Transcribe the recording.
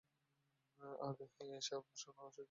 আগে এসে আপনাকে অসুবিধায় ফেলি নি তো?